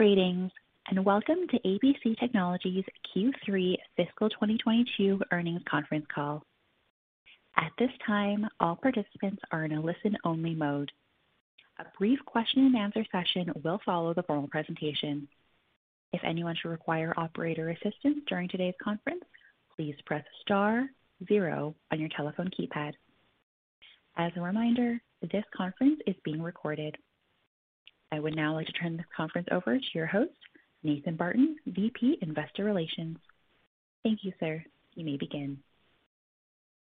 Greetings, and welcome to ABC Technologies Q3 Fiscal 2022 Earnings Conference Call. At this time, all participants are in a listen-only mode. A brief question-and-answer session will follow the formal presentation. If anyone should require operator assistance during today's conference, please press star zero on your telephone keypad. As a reminder, this conference is being recorded. I would now like to turn this conference over to your host, Nathan Barton, VP, Investor Relations. Thank you, sir. You may begin.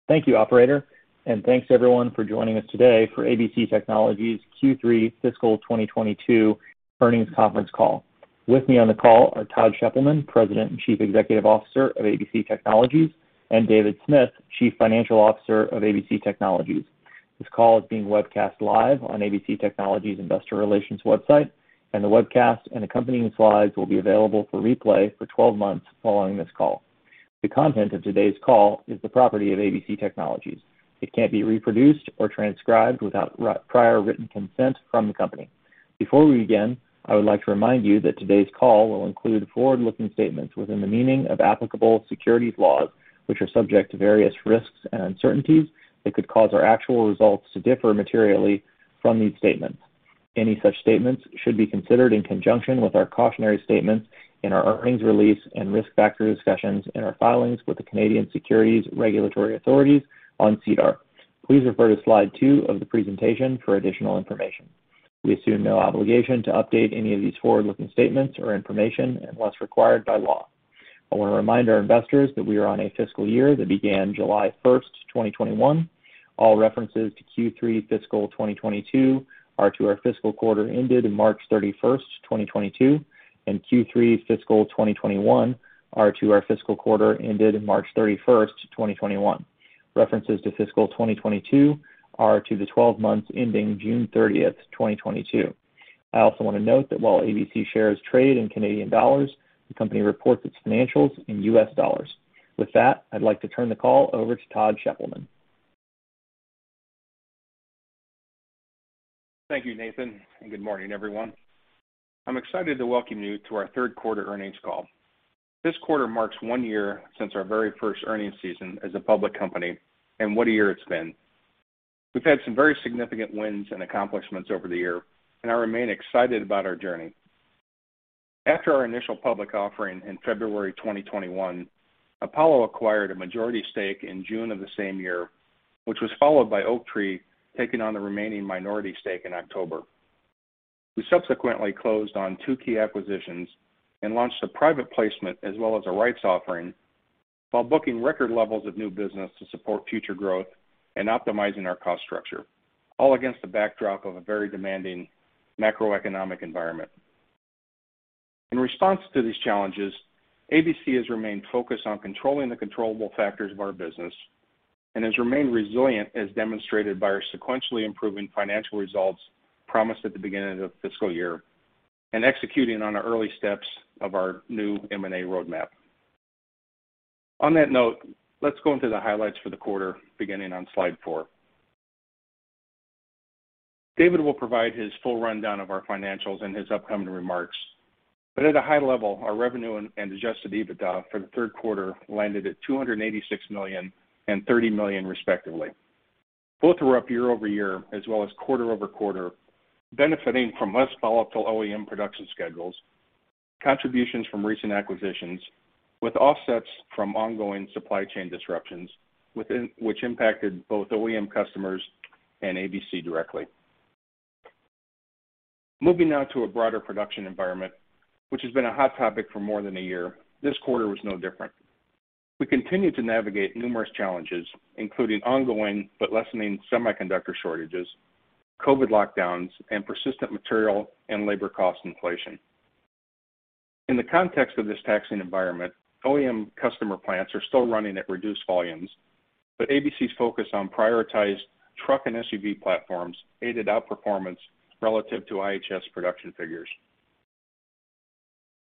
Thank you, Operator, and thanks everyone for joining us today for ABC Technologies Q3 Fiscal 2022 Earnings Conference Call. With me on the call are Todd Sheppelman, President and Chief Executive Officer of ABC Technologies, and David Smith, Chief Financial Officer of ABC Technologies. This call is being webcast live on ABC Technologies' Investor Relations website, and the webcast and accompanying slides will be available for replay for 12 months following this call. The content of today's call is the property of ABC Technologies. It can't be reproduced or transcribed without prior written consent from the company. Before we begin, I would like to remind you that today's call will include forward-looking statements within the meaning of applicable securities laws, which are subject to various risks and uncertainties that could cause our actual results to differ materially from these statements. Any such statements should be considered in conjunction with our cautionary statements in our earnings release and risk factor discussions in our filings with the Canadian Securities Administrators on SEDAR. Please refer to slide two of the presentation for additional information. We assume no obligation to update any of these forward-looking statements or information unless required by law. I wanna remind our investors that we are on a fiscal year that began July 1st, 2021. All references to Q3 fiscal 2022 are to our fiscal quarter ended March 31st, 2022, and Q3 fiscal 2021 are to our fiscal quarter ended March 31st, 2021. References to fiscal 2022 are to the 12 months ending June 30th, 2022. I also want to note that while ABC shares trade in Canadian dollars, the company reports its financials in U.S. dollars. With that, I'd like to turn the call over to Todd Sheppelman. Thank you, Nathan, and good morning, everyone. I'm excited to welcome you to our Q3 earnings call. This quarter marks one year since our very first earnings season as a public company, and what a year it's been. We've had some very significant wins and accomplishments over the year, and I remain excited about our journey. After our initial public offering in February 2021, Apollo acquired a majority stake in June of the same year, which was followed by Oaktree taking on the remaining minority stake in October. We subsequently closed on two key acquisitions and launched a private placement as well as a rights offering while booking record levels of new business to support future growth and optimizing our cost structure, all against the backdrop of a very demanding macroeconomic environment. In response to these challenges, ABC has remained focused on controlling the controllable factors of our business and has remained resilient as demonstrated by our sequentially improving financial results promised at the beginning of the fiscal year and executing on the early steps of our new M&A roadmap. On that note, let's go into the highlights for the quarter, beginning on slide 4. David will provide his full rundown of our financials in his upcoming remarks. At a high level, our revenue and adjusted EBITDA for the Q3 landed at 286 million and 30 million respectively. Both were up year-over-year as well as quarter-over-quarter, benefiting from less volatile OEM production schedules, contributions from recent acquisitions, with offsets from ongoing supply chain disruptions within, which impacted both OEM customers and ABC directly. Moving now to a broader production environment, which has been a hot topic for more than a year, this quarter was no different. We continued to navigate numerous challenges, including ongoing but lessening semiconductor shortages, COVID lockdowns, and persistent material and labor cost inflation. In the context of this taxing environment, OEM customer plants are still running at reduced volumes, but ABC's focus on prioritized truck and SUV platforms aided outperformance relative to IHS production figures.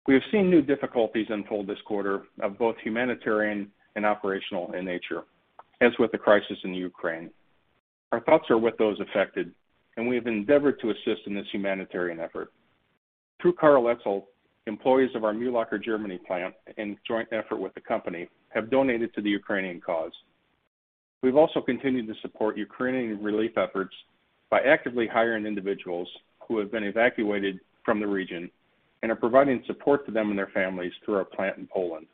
We have seen new difficulties unfold this quarter of both humanitarian and operational in nature, as with the crisis in Ukraine. Our thoughts are with those affected, and we have endeavored to assist in this humanitarian effort. Through Karl Etzel, employees of our Mühlacker, Germany plant, in joint effort with the company, have donated to the Ukrainian cause. We've also continued to support Ukrainian relief efforts by actively hiring individuals who have been evacuated from the region and are providing support to them and their families through our plant in Poland.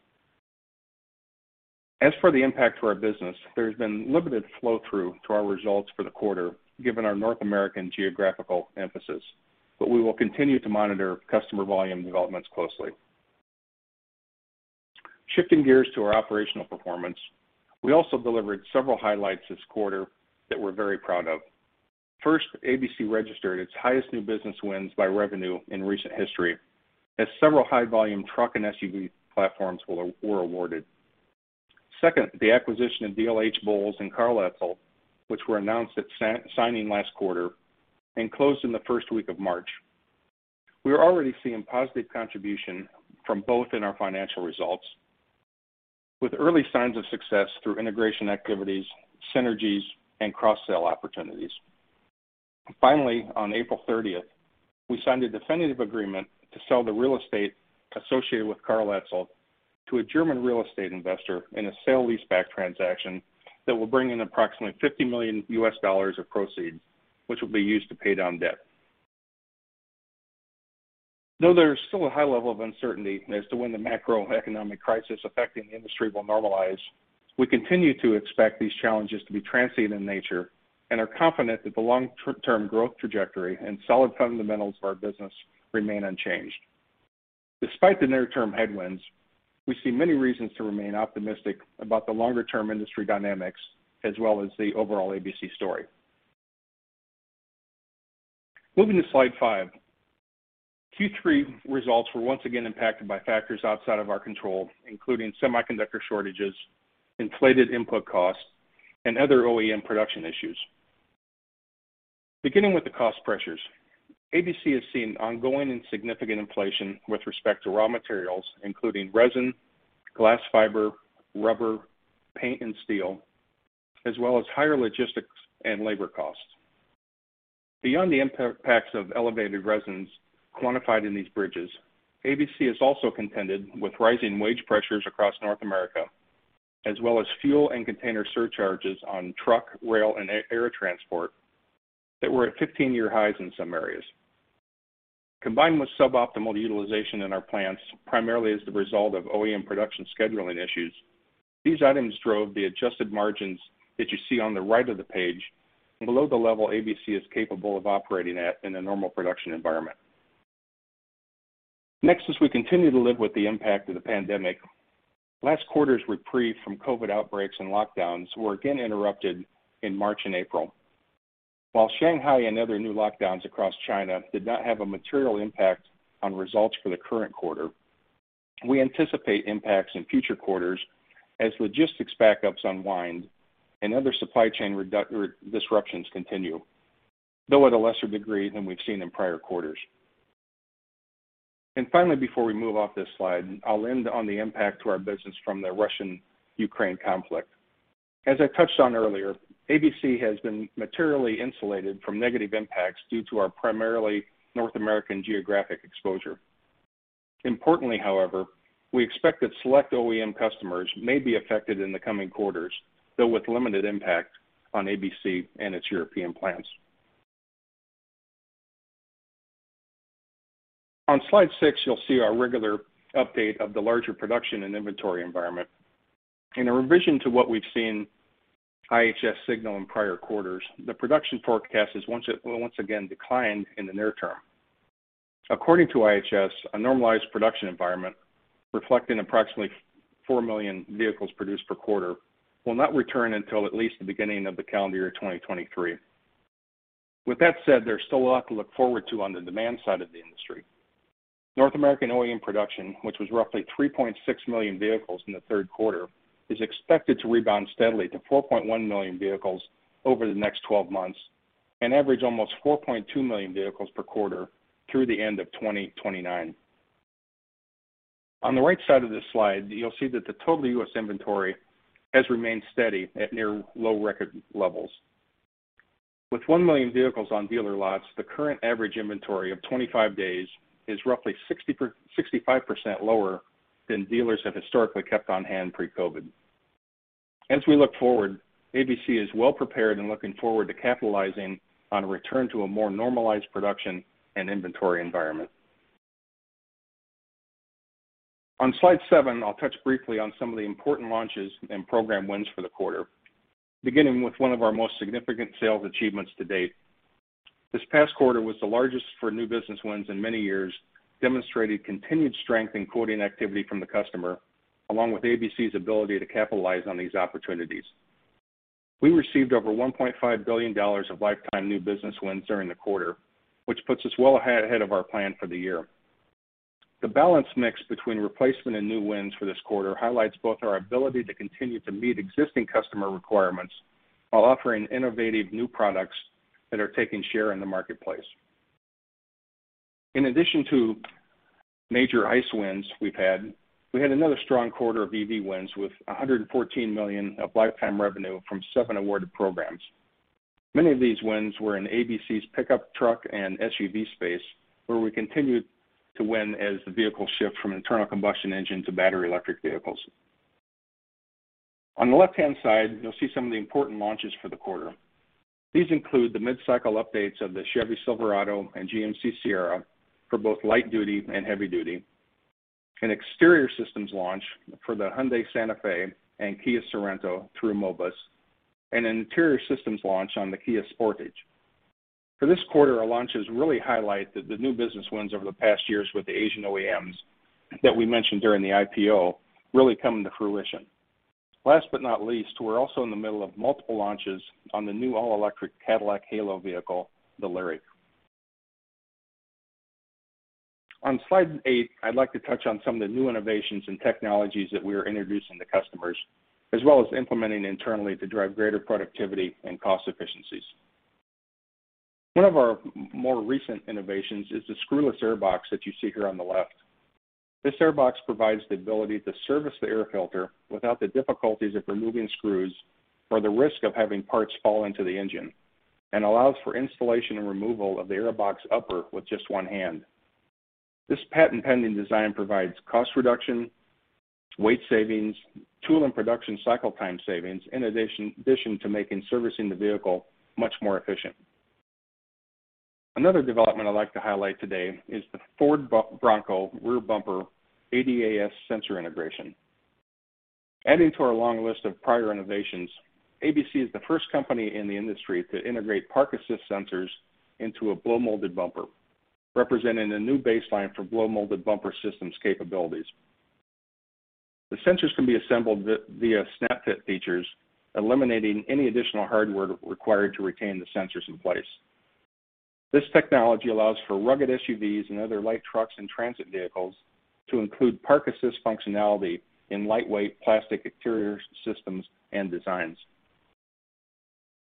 As for the impact to our business, there's been limited flow-through to our results for the quarter, given our North American geographical emphasis, but we will continue to monitor customer volume developments closely. Shifting gears to our operational performance, we also delivered several highlights this quarter that we're very proud of. First, ABC registered its highest new business wins by revenue in recent history, as several high-volume truck and SUV platforms were awarded. Second, the acquisition of dlhBOWLES and Karl Etzel, which were announced at signing last quarter and closed in the first week of March. We are already seeing positive contribution from both in our financial results. With early signs of success through integration activities, synergies, and cross-sale opportunities. Finally, on April 30th, we signed a definitive agreement to sell the real estate associated with Karl Etzel to a German real estate investor in a sale-leaseback transaction that will bring in approximately $50 million of proceeds, which will be used to pay down debt. Though there's still a high level of uncertainty as to when the macroeconomic crisis affecting the industry will normalize, we continue to expect these challenges to be transient in nature and are confident that the long-term growth trajectory and solid fundamentals of our business remain unchanged. Despite the near-term headwinds, we see many reasons to remain optimistic about the longer-term industry dynamics as well as the overall ABC story. Moving to slide five. Q3 results were once again impacted by factors outside of our control, including semiconductor shortages, inflated input costs, and other OEM production issues. Beginning with the cost pressures, ABC has seen ongoing and significant inflation with respect to raw materials, including resin, glass fiber, rubber, paint, and steel, as well as higher logistics and labor costs. Beyond the impacts of elevated resins quantified in these bridges, ABC has also contended with rising wage pressures across North America, as well as fuel and container surcharges on truck, rail, and air transport that were at 15-year highs in some areas. Combined with suboptimal utilization in our plants, primarily as the result of OEM production scheduling issues, these items drove the adjusted margins that you see on the right of the page below the level ABC is capable of operating at in a normal production environment. Next, as we continue to live with the impact of the pandemic, last quarter's reprieve from COVID outbreaks and lockdowns were again interrupted in March and April. While Shanghai and other new lockdowns across China did not have a material impact on results for the current quarter, we anticipate impacts in future quarters as logistics backups unwind and other supply chain disruptions continue, though at a lesser degree than we've seen in prior quarters. Finally, before we move off this slide, I'll end on the impact to our business from the Russian-Ukraine conflict. As I touched on earlier, ABC has been materially insulated from negative impacts due to our primarily North American geographic exposure. Importantly, however, we expect that select OEM customers may be affected in the coming quarters, though with limited impact on ABC and its European plants. On slide 6, you'll see our regular update of the larger production and inventory environment. In a revision to what we've seen IHS signal in prior quarters, the production forecast will once again decline in the near term. According to IHS, a normalized production environment reflecting approximately 4 million vehicles produced per quarter will not return until at least the beginning of the calendar year 2023. With that said, there's still a lot to look forward to on the demand side of the industry. North American OEM production, which was roughly 3.6 million vehicles in the Q3, is expected to rebound steadily to 4.1 million vehicles over the next 12 months and average almost 4.2 million vehicles per quarter through the end of 2029. On the right side of this slide, you'll see that the total U.S. inventory has remained steady at near low record levels. With 1 million vehicles on dealer lots, the current average inventory of 25 days is roughly 65% lower than dealers have historically kept on hand pre-COVID. As we look forward, ABC is well-prepared and looking forward to capitalizing on a return to a more normalized production and inventory environment. On slide 7, I'll touch briefly on some of the important launches and program wins for the quarter, beginning with one of our most significant sales achievements to date. This past quarter was the largest for new business wins in many years, demonstrating continued strength in quoting activity from the customer, along with ABC's ability to capitalize on these opportunities. We received over $1.5 billion of lifetime new business wins during the quarter, which puts us well ahead of our plan for the year. The balanced mix between replacement and new wins for this quarter highlights both our ability to continue to meet existing customer requirements while offering innovative new products that are taking share in the marketplace. In addition to major ICE wins we've had, we had another strong quarter of EV wins with $114 million of lifetime revenue from seven awarded programs. Many of these wins were in ABC's pickup truck and SUV space, where we continued to win as the vehicles shift from internal combustion engine to battery electric vehicles. On the left-hand side, you'll see some of the important launches for the quarter. These include the mid-cycle updates of the Chevy Silverado and GMC Sierra for both light duty and heavy duty, an exterior systems launch for the Hyundai Santa Fe and Kia Sorento through Mobis, and an interior systems launch on the Kia Sportage. For this quarter, our launches really highlight that the new business wins over the past years with the Asian OEMs that we mentioned during the IPO really coming to fruition. Last but not least, we're also in the middle of multiple launches on the new all-electric Cadillac halo vehicle, the Lyriq. On slide 8, I'd like to touch on some of the new innovations and technologies that we are introducing to customers, as well as implementing internally to drive greater productivity and cost efficiencies. One of our more recent innovations is the screwless air box that you see here on the left. This air box provides the ability to service the air filter without the difficulties of removing screws or the risk of having parts fall into the engine, and allows for installation and removal of the air box upper with just one hand. This patent-pending design provides cost reduction, weight savings, tool and production cycle time savings, in addition to making servicing the vehicle much more efficient. Another development I'd like to highlight today is the Ford Bronco rear bumper ADAS sensor integration. Adding to our long list of prior innovations, ABC is the first company in the industry to integrate park assist sensors into a blow-molded bumper, representing a new baseline for blow-molded bumper systems capabilities. The sensors can be assembled via snap-fit features, eliminating any additional hardware required to retain the sensors in place. This technology allows for rugged SUVs and other light trucks and transit vehicles to include park assist functionality in lightweight plastic exterior systems and designs.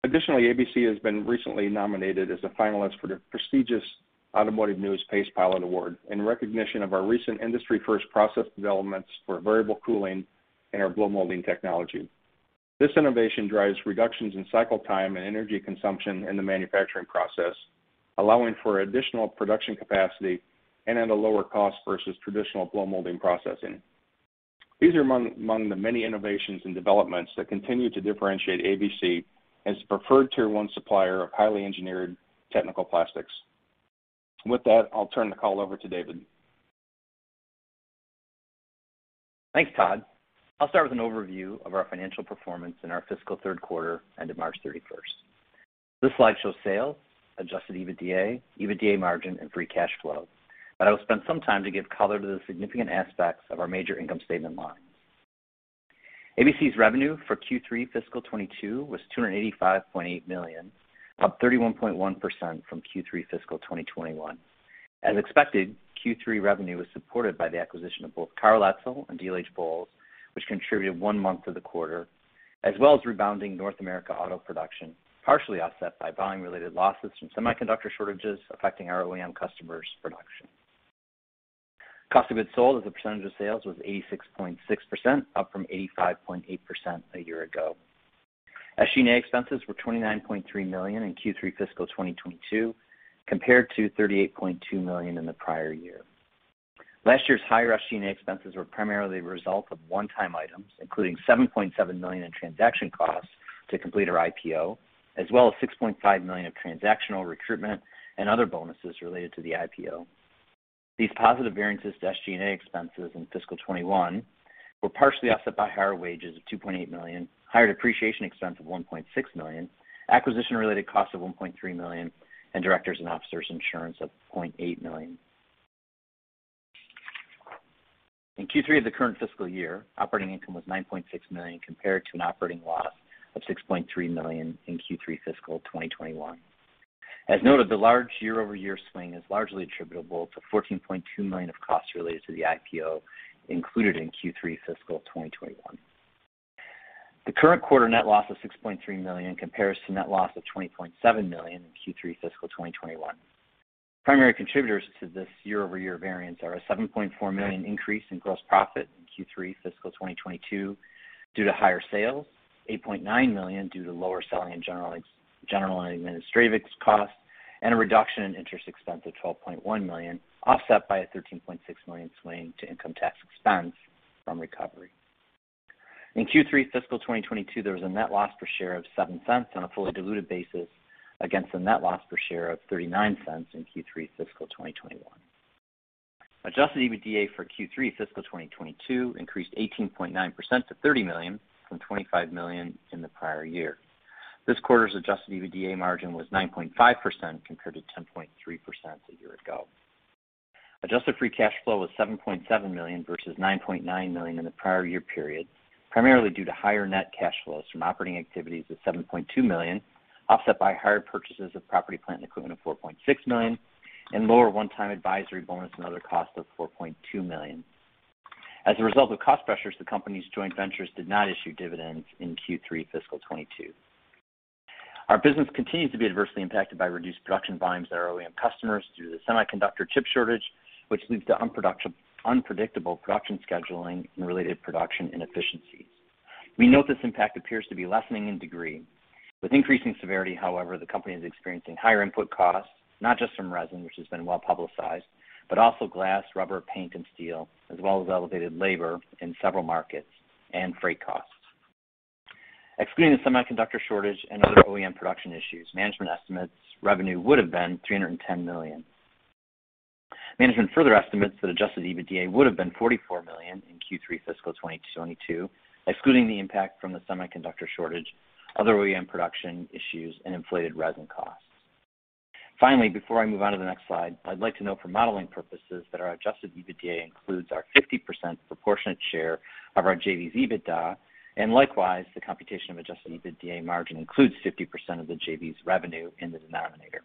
Additionally, ABC has been recently nominated as a finalist for the prestigious Automotive News PACE Pilot Award in recognition of our recent industry-first process developments for variable cooling and our blow molding technology. This innovation drives reductions in cycle time and energy consumption in the manufacturing process, allowing for additional production capacity and at a lower cost versus traditional blow molding processing. These are among the many innovations and developments that continue to differentiate ABC as the preferred tier one supplier of highly engineered technical plastics. With that, I'll turn the call over to David. Thanks, Todd. I'll start with an overview of our financial performance in our fiscal Q3 ended March 31st. This slide shows sales, adjusted EBITDA margin, and free cash flow. I will spend some time to give color to the significant aspects of our major income statement lines. ABC's revenue for Q3 fiscal 2022 was $285.8 million, up 31.1% from Q3 fiscal 2021. As expected, Q3 revenue was supported by the acquisition of both Karl Etzel and dlhBOWLES, which contributed one month to the quarter, as well as rebounding North America auto production, partially offset by volume-related losses from semiconductor shortages affecting our OEM customers' production. Cost of goods sold as a percentage of sales was 86.6%, up from 85.8% a year ago. SG&A expenses were $29.3 million in Q3 fiscal 2022, compared to $38.2 million in the prior year. Last year's higher SG&A expenses were primarily a result of one-time items, including $7.7 million in transaction costs to complete our IPO, as well as $6.5 million of transactional recruitment and other bonuses related to the IPO. These positive variances to SG&A expenses in fiscal 2021 were partially offset by higher wages of $2.8 million, higher depreciation expense of $1.6 million, acquisition-related costs of $1.3 million, and directors and officers insurance of $0.8 million. In Q3 of the current fiscal year, operating income was $9.6 million, compared to an operating loss of $6.3 million in Q3 fiscal 2021. As noted, the large year-over-year swing is largely attributable to 14.2 million of costs related to the IPO included in Q3 fiscal 2021. The current quarter net loss of 6.3 million compares to net loss of 20.7 million in Q3 fiscal 2021. Primary contributors to this year-over-year variance are a 7.4 million increase in gross profit in Q3 fiscal 2022 due to higher sales, 8.9 million due to lower selling, general and administrative costs, and a reduction in interest expense of 12.1 million, offset by a 13.6 million swing to income tax expense from recovery. In Q3 fiscal 2022, there was a net loss per share of 0.07 on a fully diluted basis against a net loss per share of 0.39 in Q3 fiscal 2021. Adjusted EBITDA for Q3 fiscal 2022 increased 18.9% to $30 million from $25 million in the prior year. This quarter's adjusted EBITDA margin was 9.5% compared to 10.3% a year ago. Adjusted free cash flow was $7.7 million versus $9.9 million in the prior year period, primarily due to higher net cash flows from operating activities of $7.2 million, offset by higher purchases of property, plant, and equipment of $4.6 million, and lower one-time advisory bonus and other costs of $4.2 million. As a result of cost pressures, the company's joint ventures did not issue dividends in Q3 fiscal 2022. Our business continues to be adversely impacted by reduced production volumes at our OEM customers due to the semiconductor chip shortage, which leads to unpredictable production scheduling and related production inefficiencies. We note this impact appears to be lessening in degree. With increasing severity, however, the company is experiencing higher input costs, not just from resin, which has been well-publicized, but also glass, rubber, paint, and steel, as well as elevated labor in several markets and freight costs. Excluding the semiconductor shortage and other OEM production issues, management estimates revenue would have been 310 million. Management further estimates that adjusted EBITDA would have been 44 million in Q3 fiscal 2022, excluding the impact from the semiconductor shortage, other OEM production issues, and inflated resin costs. Finally, before I move on to the next slide, I'd like to note for modeling purposes that our adjusted EBITDA includes our 50% proportionate share of our JV's EBITDA, and likewise, the computation of adjusted EBITDA margin includes 50% of the JV's revenue in the denominator.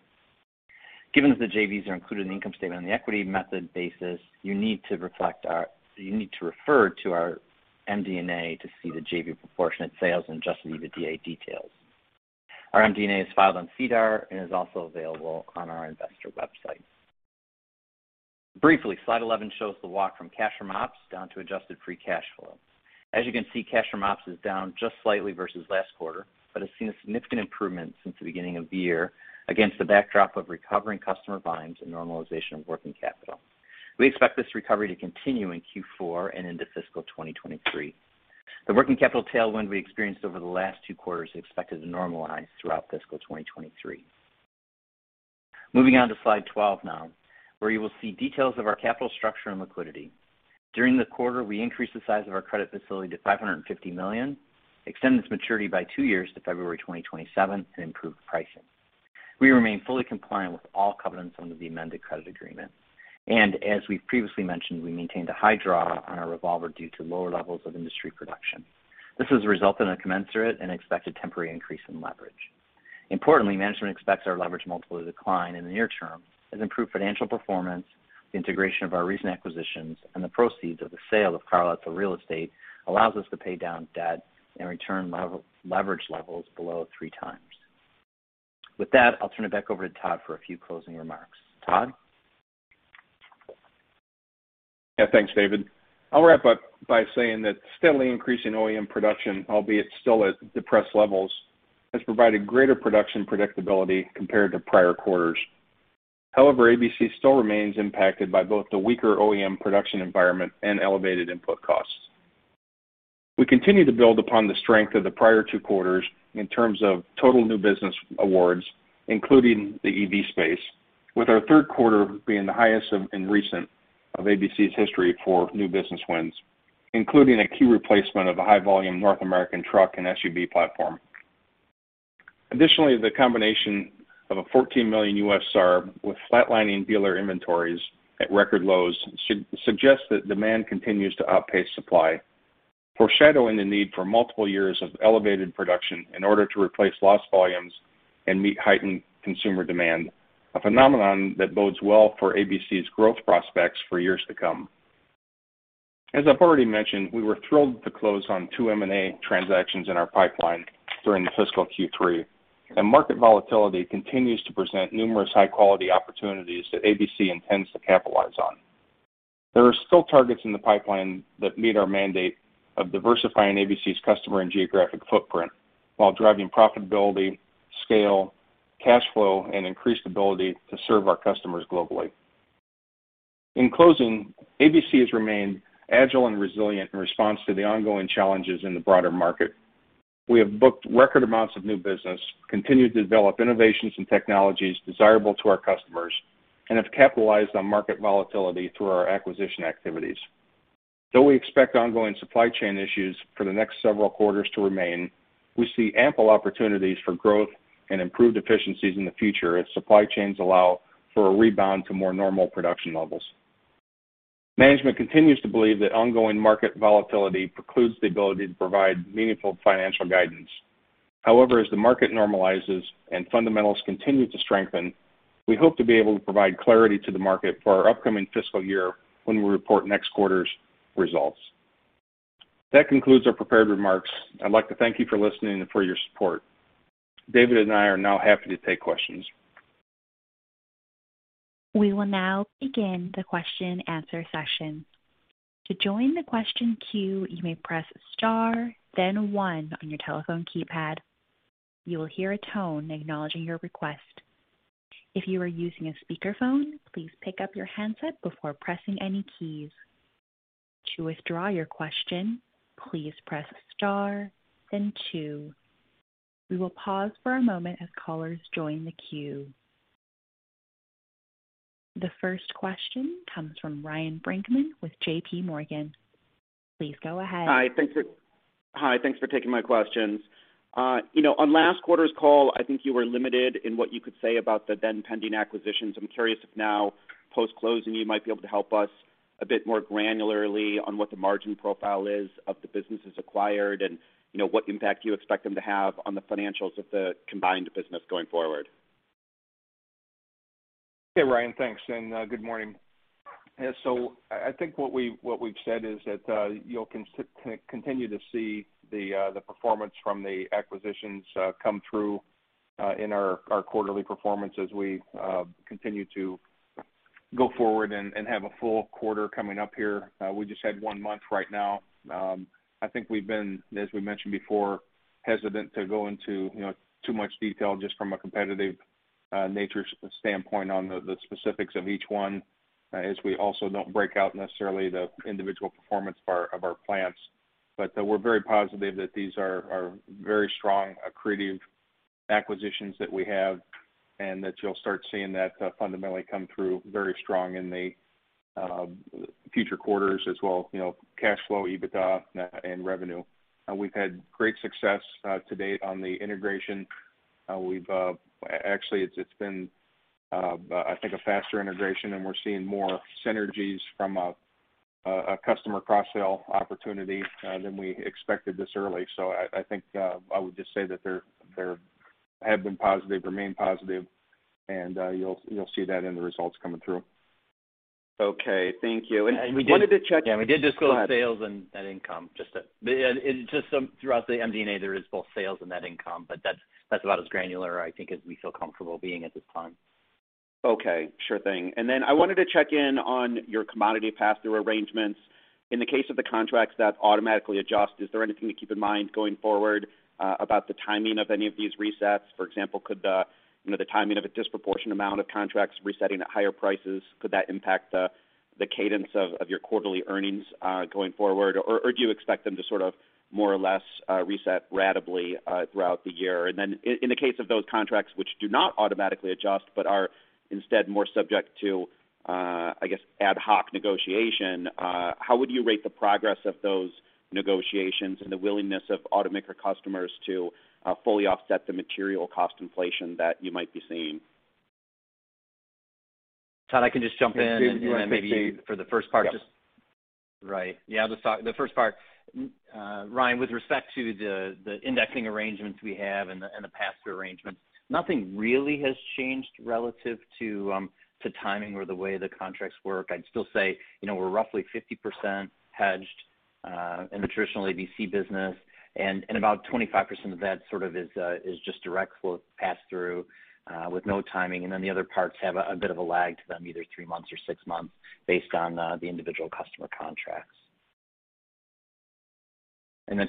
Given that the JVs are included in the income statement on the equity method basis, you need to refer to our MD&A to see the JV proportionate sales and adjusted EBITDA details. Our MD&A is filed on SEDAR and is also available on our investor website. Briefly, slide 11 shows the walk from cash from ops down to adjusted free cash flow. As you can see, cash from ops is down just slightly versus last quarter, but has seen a significant improvement since the beginning of the year against the backdrop of recovering customer volumes and normalization of working capital. We expect this recovery to continue in Q4 and into fiscal 2023. The working capital tailwind we experienced over the last two quarters is expected to normalize throughout fiscal 2023. Moving on to slide 12 now, where you will see details of our capital structure and liquidity. During the quarter, we increased the size of our credit facility to $550 million, extend its maturity by two years to February 2027, and improved pricing. We remain fully compliant with all covenants under the amended credit agreement. As we've previously mentioned, we maintained a high draw on our revolver due to lower levels of industry production. This has resulted in a commensurate and expected temporary increase in leverage. Importantly, management expects our leverage multiple to decline in the near term as improved financial performance, the integration of our recent acquisitions, and the proceeds of the sale of Karl Etzel for real estate allows us to pay down debt and return leverage levels below 3x. With that, I'll turn it back over to Todd for a few closing remarks. Todd? Yeah, thanks, David. I'll wrap up by saying that steadily increasing OEM production, albeit still at depressed levels, has provided greater production predictability compared to prior quarters. However, ABC still remains impacted by both the weaker OEM production environment and elevated input costs. We continue to build upon the strength of the prior two quarters in terms of total new business awards, including the EV space, with our Q3 being the highest in ABC's recent history for new business wins, including a key replacement of a high-volume North American truck and SUV platform. Additionally, the combination of a 14 million U.S. SAAR with flatlining dealer inventories at record lows suggests that demand continues to outpace supply, foreshadowing the need for multiple years of elevated production in order to replace lost volumes and meet heightened consumer demand, a phenomenon that bodes well for ABC's growth prospects for years to come. As I've already mentioned, we were thrilled to close on 2 M&A transactions in our pipeline during fiscal Q3, and market volatility continues to present numerous high-quality opportunities that ABC intends to capitalize on. There are still targets in the pipeline that meet our mandate of diversifying ABC's customer and geographic footprint while driving profitability, scale, cash flow, and increased ability to serve our customers globally. In closing, ABC has remained agile and resilient in response to the ongoing challenges in the broader market. We have booked record amounts of new business, continued to develop innovations and technologies desirable to our customers, and have capitalized on market volatility through our acquisition activities. Though we expect ongoing supply chain issues for the next several quarters to remain, we see ample opportunities for growth and improved efficiencies in the future as supply chains allow for a rebound to more normal production levels. Management continues to believe that ongoing market volatility precludes the ability to provide meaningful financial guidance. However, as the market normalizes and fundamentals continue to strengthen, we hope to be able to provide clarity to the market for our upcoming fiscal year when we report next quarter's results. That concludes our prepared remarks. I'd like to thank you for listening and for your support. David and I are now happy to take questions. We will now begin the question-answer session. To join the question queue, you may press star then one on your telephone keypad. You will hear a tone acknowledging your request. If you are using a speakerphone, please pick up your handset before pressing any keys. To withdraw your question, please press star then two. We will pause for a moment as callers join the queue. The first question comes from Ryan Brinkman with JPMorgan. Please go ahead. Hi. Thank you. Hi, thanks for taking my questions. You know, on last quarter's call, I think you were limited in what you could say about the then-pending acquisitions. I'm curious if now post-closing, you might be able to help us a bit more granularly on what the margin profile is of the businesses acquired and, you know, what impact you expect them to have on the financials of the combined business going forward. Hey, Ryan. Thanks, and good morning. I think what we've said is that you'll continue to see the performance from the acquisitions come through in our quarterly performance as we continue to go forward and have a full quarter coming up here. We just had one month right now. I think we've been, as we mentioned before, hesitant to go into you know too much detail just from a competitive nature standpoint on the specifics of each one as we also don't break out necessarily the individual performance of our plants. We're very positive that these are very strong accretive acquisitions that we have and that you'll start seeing that fundamentally come through very strong in the future quarters as well, you know, cash flow, EBITDA, and revenue. We've had great success to date on the integration. Actually it's been I think a faster integration, and we're seeing more synergies from a customer cross-sell opportunity than we expected this early. I think I would just say that they're they have been positive, remain positive, and you'll see that in the results coming through. Okay. Thank you. I wanted to check. And we did- Go ahead. Yeah, we did disclose sales and net income. Throughout the MD&A, there is both sales and net income, but that's about as granular I think as we feel comfortable being at this time. Okay. Sure thing. I wanted to check in on your commodity pass-through arrangements. In the case of the contracts that automatically adjust, is there anything to keep in mind going forward about the timing of any of these resets? For example, could the, you know, timing of a disproportionate amount of contracts resetting at higher prices, could that impact the cadence of your quarterly earnings going forward? Or do you expect them to sort of more or less reset ratably throughout the year? In the case of those contracts which do not automatically adjust but are instead more subject to, I guess, ad hoc negotiation, how would you rate the progress of those negotiations and the willingness of automaker customers to fully offset the material cost inflation that you might be seeing? Todd, I can just jump in. Yeah, Dave, do you wanna take the? Maybe for the first part just. Yep. Right. Yeah, the first part, Ryan, with respect to the indexing arrangements we have and the pass-through arrangements, nothing really has changed relative to timing or the way the contracts work. I'd still say, you know, we're roughly 50% hedged in the traditional ABC business, and about 25% of that sort of is just direct flow pass-through with no timing. Then the other parts have a bit of a lag to them, either three months or six months based on the individual customer contracts.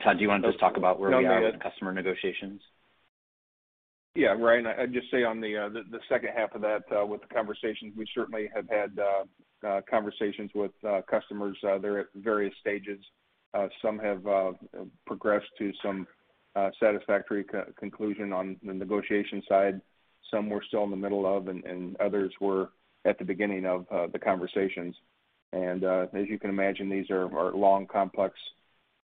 Todd, do you want to just talk about where we are? No, go ahead. with customer negotiations? Yeah, Ryan, I'd just say on the H2 of that, with the conversations, we certainly have had conversations with customers. They're at various stages. Some have progressed to some satisfactory conclusion on the negotiation side. Some we're still in the middle of, and others we're at the beginning of, the conversations. As you can imagine, these are long, complex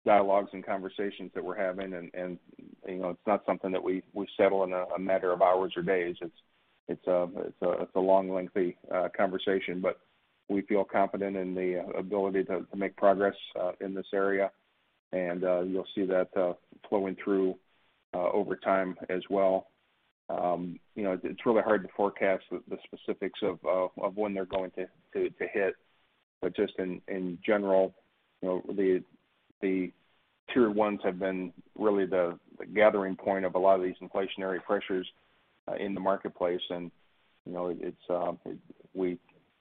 dialogues and conversations that we're having. You know, it's not something that we settle in a matter of hours or days. It's a long, lengthy conversation. We feel confident in the ability to make progress in this area. You'll see that flowing through over time as well. You know, it's really hard to forecast the specifics of when they're going to hit. Just in general, you know, the Tier ones have been really the gathering point of a lot of these inflationary pressures in the marketplace. You know,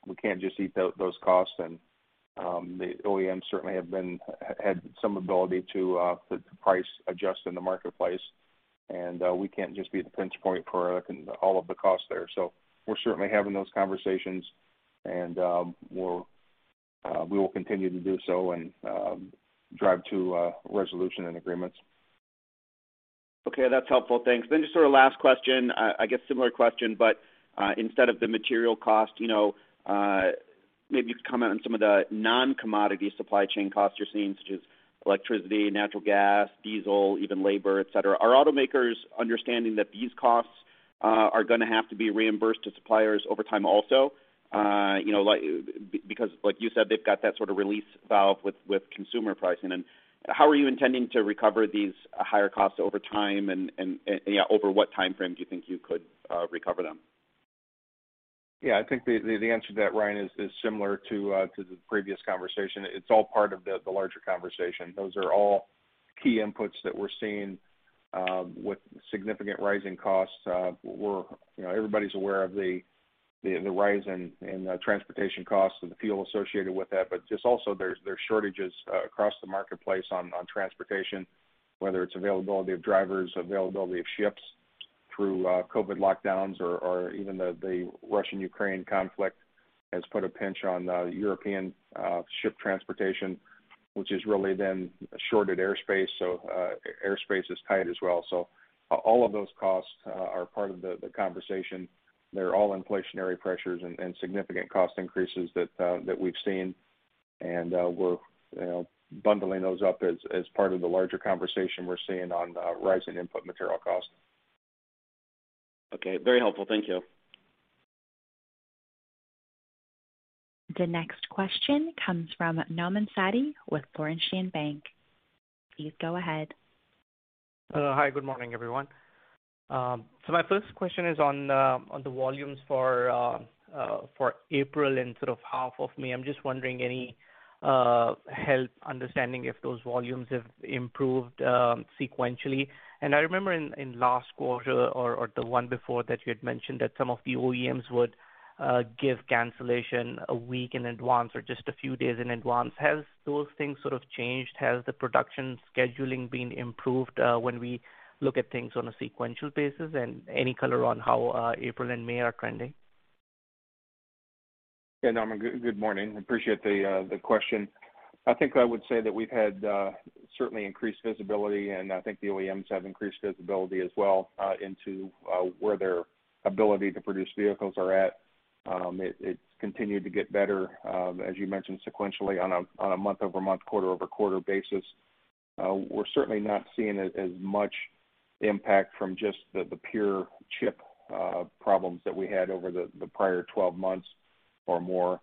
we can't just eat those costs. The OEMs certainly had some ability to put the price adjustments in the marketplace. We can't just be the pinch point for all of the costs there. We're certainly having those conversations, and we will continue to do so and drive to a resolution and agreements. Okay. That's helpful. Thanks. Just sort of last question, I guess similar question, instead of the material cost, you know, maybe you could comment on some of the non-commodity supply chain costs you're seeing, such as electricity, natural gas, diesel, even labor, et cetera. Are automakers understanding that these costs are gonna have to be reimbursed to suppliers over time also? You know, like, because, like you said, they've got that sort of release valve with consumer pricing. How are you intending to recover these higher costs over time? Yeah, over what timeframe do you think you could recover them? I think the answer to that, Ryan, is similar to the previous conversation. It's all part of the larger conversation. Those are all key inputs that we're seeing with significant rising costs. You know, everybody's aware of the rise in transportation costs and the fuel associated with that. Just also there's shortages across the marketplace on transportation, whether it's availability of drivers, availability of ships through COVID lockdowns or even the Russia-Ukraine conflict has put a pinch on European ship transportation, which has really then shorted airspace. Airspace is tight as well. All of those costs are part of the conversation. They're all inflationary pressures and significant cost increases that we've seen. We're, you know, bundling those up as part of the larger conversation we're seeing on rising input material costs. Okay. Very helpful. Thank you. The next question comes from Nauman Satti with Laurentian Bank. Please go ahead. Hi. Good morning, everyone. My first question is on the volumes for April and sort of half of May. I'm just wondering any help understanding if those volumes have improved sequentially. I remember in last quarter or the one before that you had mentioned that some of the OEMs would give cancellation a week in advance or just a few days in advance. Has those things sort of changed? Has the production scheduling been improved when we look at things on a sequential basis? Any color on how April and May are trending? Yeah, Nauman, good morning. Appreciate the question. I think I would say that we've had certainly increased visibility, and I think the OEMs have increased visibility as well into where their ability to produce vehicles are at. It's continued to get better, as you mentioned, sequentially on a month-over-month, quarter-over-quarter basis. We're certainly not seeing as much impact from just the pure chip problems that we had over the prior 12 months or more.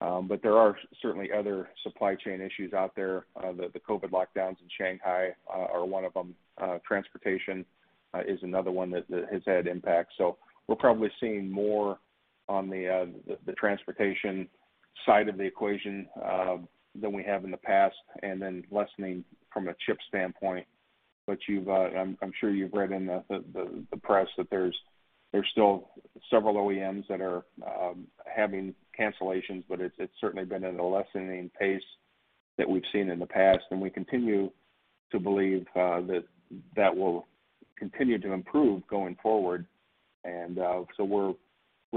There are certainly other supply chain issues out there, the COVID lockdowns in Shanghai are one of them. Transportation is another one that has had impact. We're probably seeing more on the transportation side of the equation than we have in the past and then lessening from a chip standpoint. I'm sure you've read in the press that there are still several OEMs that are having cancellations, but it's certainly been at a lessening pace that we've seen in the past. We continue to believe that will continue to improve going forward. We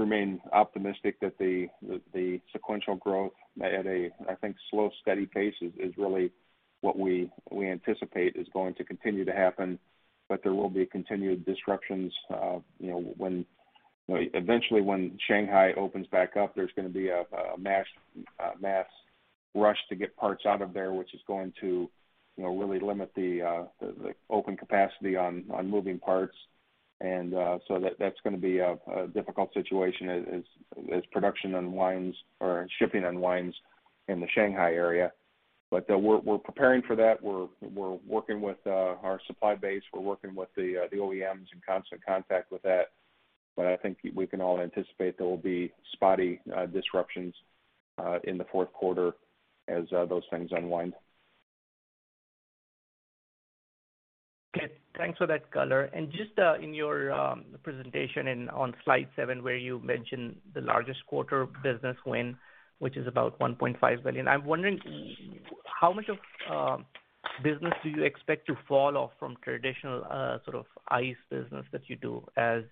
remain optimistic that the sequential growth at a I think slow steady pace is really what we anticipate is going to continue to happen. There will be continued disruptions, you know, when, you know, eventually when Shanghai opens back up, there's gonna be a mass rush to get parts out of there, which is going to, you know, really limit the open capacity on moving parts. That's gonna be a difficult situation as production unwinds or shipping unwinds in the Shanghai area. We're preparing for that. We're working with our supply base. We're working with the OEMs, in constant contact with that. I think we can all anticipate there will be spotty disruptions in the Q4 as those things unwind. Okay, thanks for that color. Just in your presentation on slide 7, where you mentioned the largest quarter business win, which is about $1.5 billion. I'm wondering how much of business do you expect to fall off from traditional sort of ICE business that you do as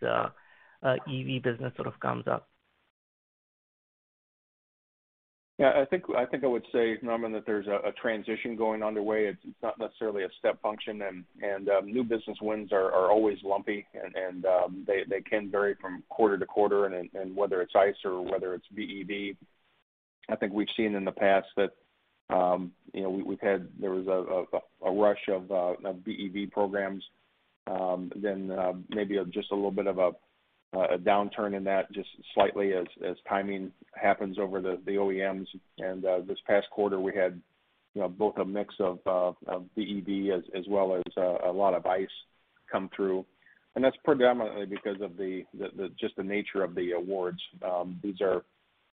EV business sort of comes up? Yeah, I think I would say, Nauman Satti, that there's a transition going underway. It's not necessarily a step function. New business wins are always lumpy, and they can vary from quarter to quarter and whether it's ICE or whether it's BEV. I think we've seen in the past that, you know, there was a rush of BEV programs, then maybe just a little bit of a downturn in that just slightly as timing happens over the OEMs. This past quarter, we had, you know, both a mix of BEV as well as a lot of ICE come through. That's predominantly because of just the nature of the awards. These are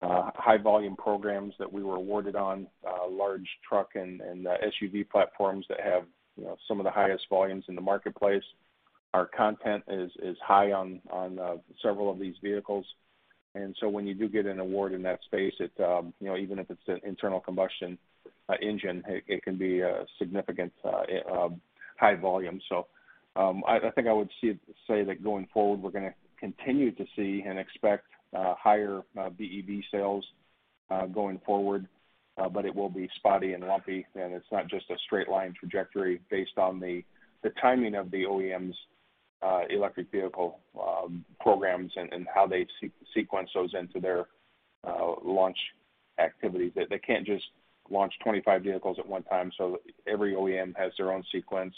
high volume programs that we were awarded on large truck and SUV platforms that have, you know, some of the highest volumes in the marketplace. Our content is high on several of these vehicles. When you do get an award in that space, you know, even if it's an internal combustion engine, it can be a significant high volume. I think I would say that going forward, we're gonna continue to see and expect higher BEV sales going forward. It will be spotty and lumpy, and it's not just a straight line trajectory based on the timing of the OEMs' electric vehicle programs and how they sequence those into their launch activities. They can't just launch 25 vehicles at one time. Every OEM has their own sequence.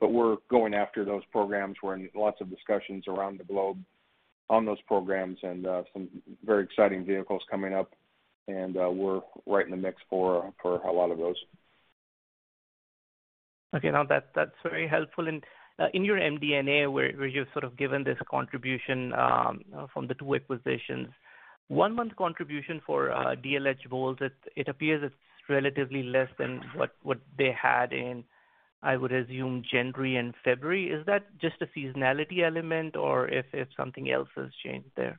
We're going after those programs. We're in lots of discussions around the globe on those programs and some very exciting vehicles coming up, and we're right in the mix for a lot of those. Okay. No, that's very helpful. In your MD&A where you've sort of given this contribution from the two acquisitions. One month contribution for dlhBOWLES, it appears it's relatively less than what they had in, I would assume, January and February. Is that just a seasonality element or something else has changed there?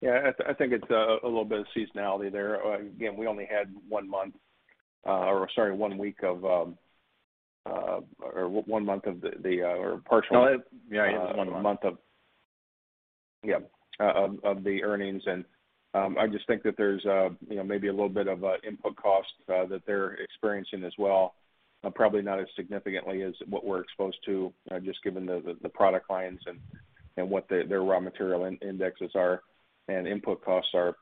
Yeah, I think it's a little bit of seasonality there. Again, we only had one month or sorry one week of or one month of the or partial- No, yeah, it was one month. Month of the earnings. I just think that there's you know, maybe a little bit of input cost that they're experiencing as well. Probably not as significantly as what we're exposed to just given the product lines and what their raw material indexes are and input costs are.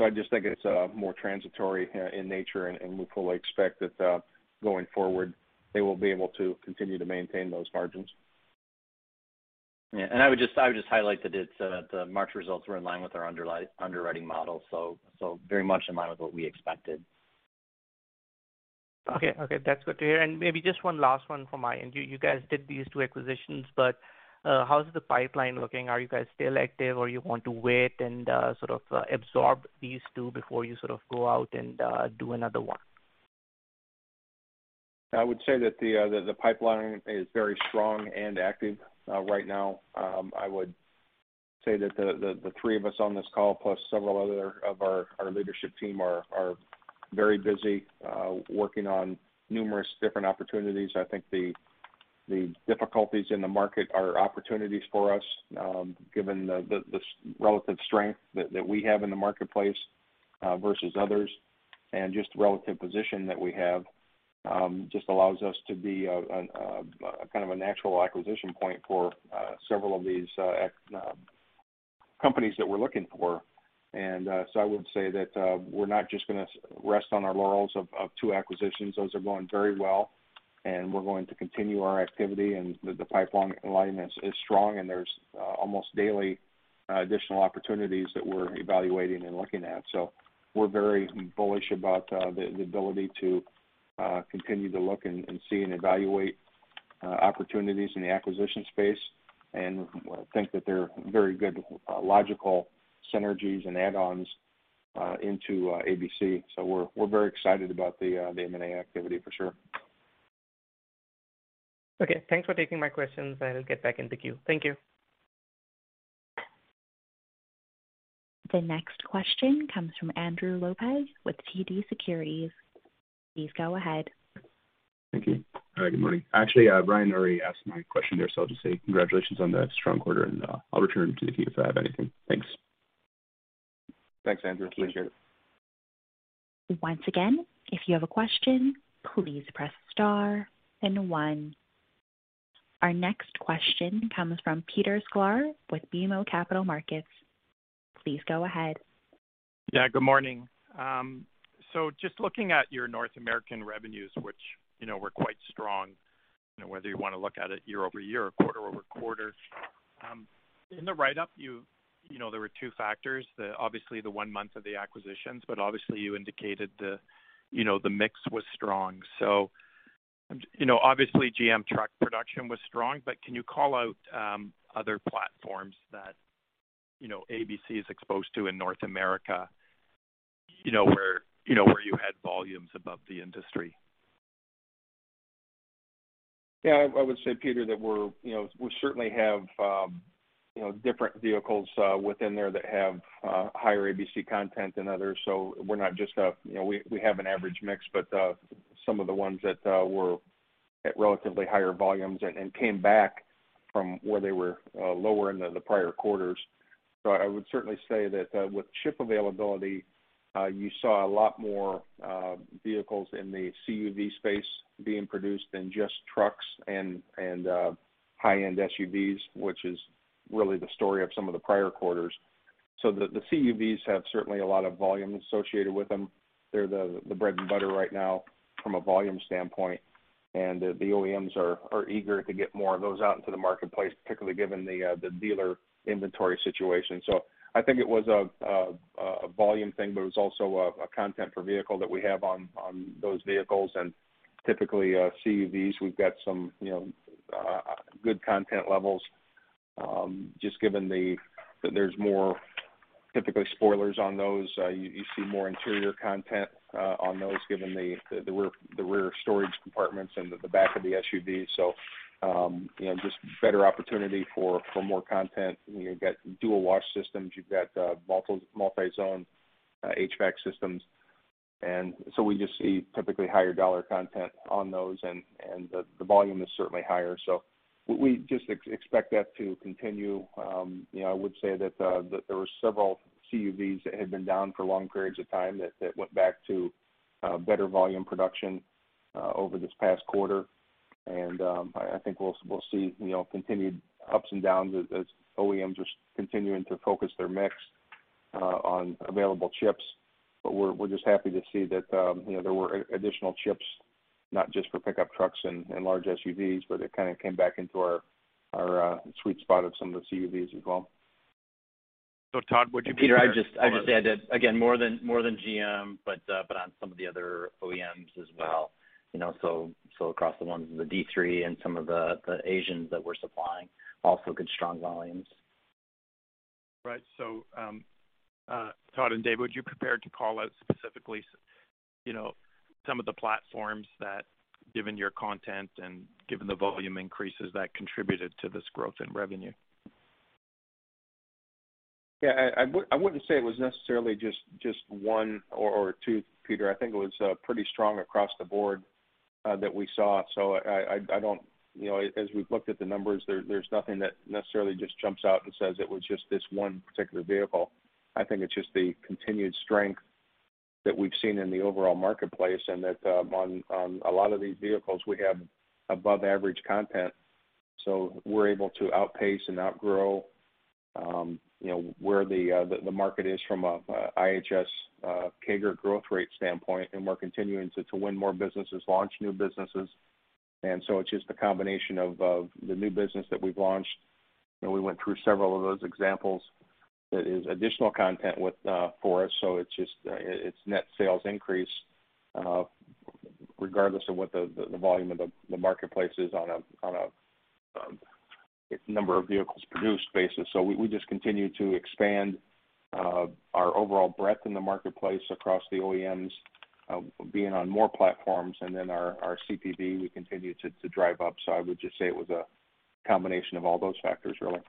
I just think it's more transitory in nature, and we fully expect that going forward, they will be able to continue to maintain those margins. Yeah. I would just highlight that the March results were in line with our underwriting model, so very much in line with what we expected. Okay. Okay, that's good to hear. Maybe just one last one from my end. You guys did these two acquisitions, but how's the pipeline looking? Are you guys still active, or you want to wait and sort of absorb these two before you sort of go out and do another one? I would say that the pipeline is very strong and active right now. I would say that the three of us on this call, plus several other of our leadership team are very busy working on numerous different opportunities. I think the difficulties in the market are opportunities for us, given the relative strength that we have in the marketplace versus others. Just the relative position that we have just allows us to be kind of a natural acquisition point for several of these companies that we're looking for. I would say that we're not just gonna rest on our laurels of two acquisitions. Those are going very well, and we're going to continue our activity. The pipeline alignment is strong, and there's almost daily additional opportunities that we're evaluating and looking at. We're very bullish about the ability to continue to look and see and evaluate opportunities in the acquisition space and think that they're very good logical synergies and add-ons into ABC. We're very excited about the M&A activity for sure. Okay, thanks for taking my questions, and I'll get back in the queue. Thank you. The next question comes from Andrew Lopez with TD Securities. Please go ahead. Thank you. All right, good morning. Actually, Ryan already asked my question there, so I'll just say congratulations on the strong quarter, and I'll return to the queue if I have anything. Thanks. Thanks, Andrew. Appreciate it. Once again, if you have a question, please press star then one. Our next question comes from Peter Sklar with BMO Capital Markets. Please go ahead. Yeah, good morning. Just looking at your North American revenues, which, you know, were quite strong, you know, whether you wanna look at it year-over-year or quarter-over-quarter. In the write-up, you know, there were two factors. Obviously, the one month of the acquisitions, but obviously you indicated, you know, the mix was strong. You know, obviously GM truck production was strong, but can you call out other platforms that, you know, ABC is exposed to in North America, you know, where you had volumes above the industry? Yeah, I would say, Peter, that we're, you know, we certainly have, you know, different vehicles within there that have higher ABC content than others. So we're not just a, you know. We have an average mix, but some of the ones that were at relatively higher volumes and came back from where they were lower in the prior quarters. I would certainly say that with chip availability you saw a lot more vehicles in the CUV space being produced than just trucks and high-end SUVs, which is really the story of some of the prior quarters. The CUVs have certainly a lot of volume associated with them. They're the bread and butter right now from a volume standpoint, and the OEMs are eager to get more of those out into the marketplace, particularly given the dealer inventory situation. I think it was a volume thing, but it was also a content per vehicle that we have on those vehicles. Typically, CUVs, we've got some good content levels, just given that there's more typically spoilers on those. You see more interior content on those given the rear storage compartments in the back of the SUV. Just better opportunity for more content. You've got dual wash systems. You've got multi-zone HVAC systems. We just see typically higher dollar content on those and the volume is certainly higher. We just expect that to continue. I would say that there were several CUVs that had been down for long periods of time that went back to better volume production over this past quarter. I think we'll see continued ups and downs as OEMs are continuing to focus their mix on available chips. But we're just happy to see that there were additional chips, not just for pickup trucks and large SUVs, but it kind of came back into our sweet spot of some of the CUVs as well. Todd, would you Peter, I'd just add that again, more than GM, but on some of the other OEMs as well. You know, so across the ones, the Detroit Three and some of the Asians that we're supplying, also good, strong volumes. Right. Todd and Dave, would you be prepared to call out specifically, you know, some of the platforms that given your content and given the volume increases that contributed to this growth in revenue? Yeah. I wouldn't say it was necessarily just one or two, Peter. I think it was pretty strong across the board that we saw. I don't. You know, as we've looked at the numbers, there's nothing that necessarily just jumps out and says it was just this one particular vehicle. I think it's just the continued strength that we've seen in the overall marketplace and that on a lot of these vehicles we have above average content, so we're able to outpace and outgrow you know where the market is from a IHS CAGR growth rate standpoint. We're continuing to win more businesses, launch new businesses. It's just a combination of the new business that we've launched, and we went through several of those examples. That is additional content with for us. It's just it's net sales increase, regardless of what the volume of the marketplace is on a number of vehicles produced basis. We just continue to expand our overall breadth in the marketplace across the OEMs, being on more platforms and then our CPV, we continue to drive up. I would just say it was a combination of all those factors really.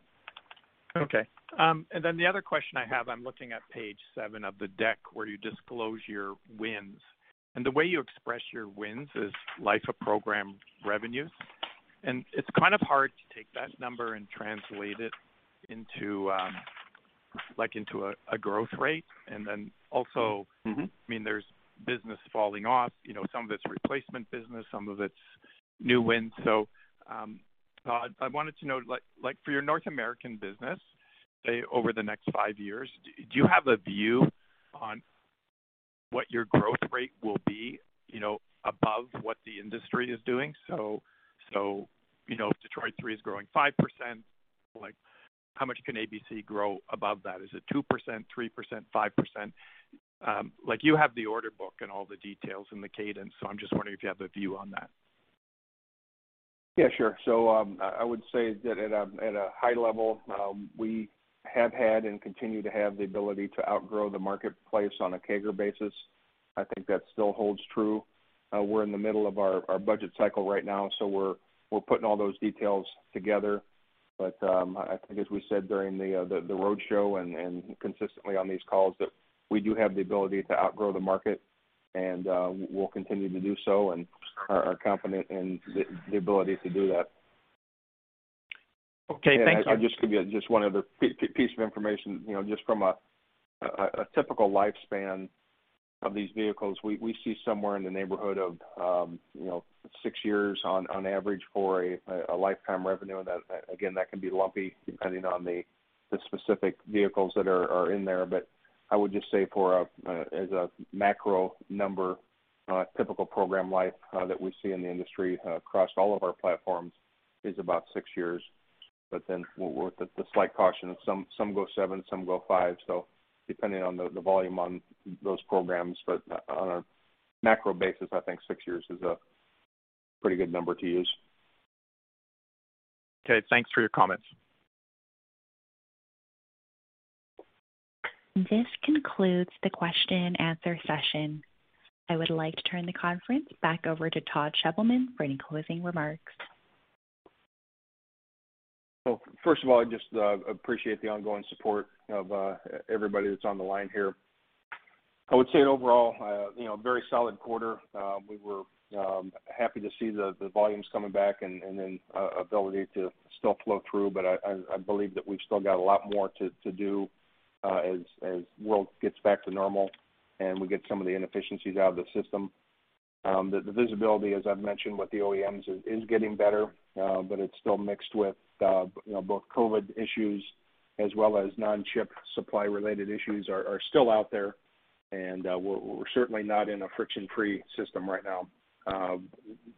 Okay. The other question I have, I'm looking at page seven of the deck where you disclose your wins. The way you express your wins is life of program revenues. It's kind of hard to take that number and translate it into, like, into a growth rate. Mm-hmm. I mean, there's business falling off. You know, some of it's replacement business, some of it's new win. I wanted to know, like, for your North American business, say, over the next five years, do you have a view on what your growth rate will be, you know, above what the industry is doing? You know, if Detroit Three is growing 5%, like, how much can ABC grow above that? Is it 2%, 3%, 5%? Like, you have the order book and all the details and the cadence, so I'm just wondering if you have a view on that. Yeah, sure. I would say that at a high level, we have had and continue to have the ability to outgrow the marketplace on a CAGR basis. I think that still holds true. We're in the middle of our budget cycle right now, so we're putting all those details together. I think as we said during the roadshow and consistently on these calls, that we do have the ability to outgrow the market. We'll continue to do so and are confident in the ability to do that. Okay, thank you. I'd just give you just one other piece of information. You know, just from a typical lifespan of these vehicles, we see somewhere in the neighborhood of, you know, six years on average for a lifetime revenue. That, again, can be lumpy depending on the specific vehicles that are in there. I would just say for a, as a macro number, typical program life that we see in the industry across all of our platforms is about six years. But then with the slight caution of some go seven, some go five. Depending on the volume on those programs. On a macro basis, I think six years is a pretty good number to use. Okay. Thanks for your comments. This concludes the question and answer session. I would like to turn the conference back over to Todd Sheppelman for any closing remarks. First of all, I just appreciate the ongoing support of everybody that's on the line here. I would say overall, you know, very solid quarter. We were happy to see the volumes coming back and then ability to still flow through. I believe that we've still got a lot more to do as world gets back to normal and we get some of the inefficiencies out of the system. The visibility, as I've mentioned with the OEMs, is getting better, but it's still mixed with, you know, both COVID issues as well as non-chip supply related issues are still out there. We're certainly not in a friction-free system right now.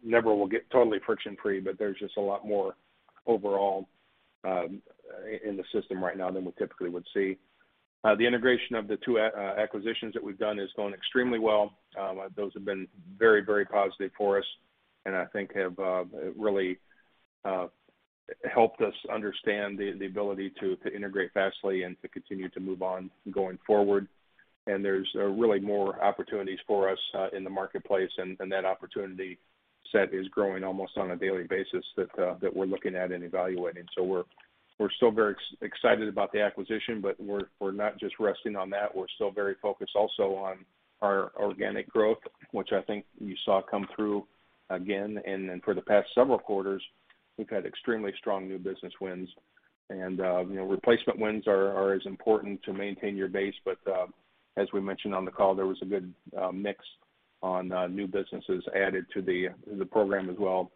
Never will get totally friction-free, but there's just a lot more overall in the system right now than we typically would see. The integration of the two acquisitions that we've done is going extremely well. Those have been very positive for us, and I think have really helped us understand the ability to integrate fastly and to continue to move on going forward. There's really more opportunities for us in the marketplace, and that opportunity set is growing almost on a daily basis that we're looking at and evaluating. We're still very excited about the acquisition, but we're not just resting on that. We're still very focused also on our organic growth, which I think you saw come through again. For the past several quarters, we've had extremely strong new business wins. Replacement wins are as important to maintain your base. As we mentioned on the call, there was a good mix of new businesses added to the program as well.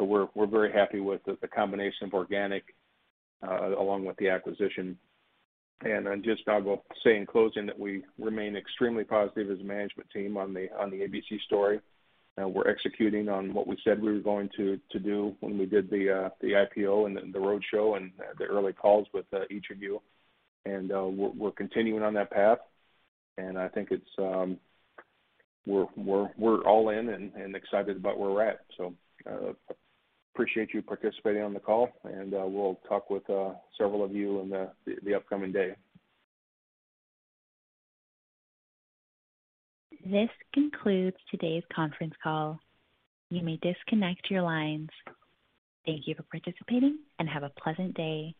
We're very happy with the combination of organic along with the acquisition. Just I will say in closing that we remain extremely positive as a management team on the ABC story. We're executing on what we said we were going to do when we did the IPO and the roadshow and the early calls with each of you. We're continuing on that path. I think it's we're all in and excited about where we're at. Appreciate you participating on the call, and we'll talk with several of you in the upcoming day. This concludes today's conference call. You may disconnect your lines. Thank you for participating and have a pleasant day.